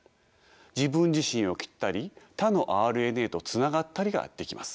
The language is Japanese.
自分自身を切ったり他のＲＮＡとつながったりができます。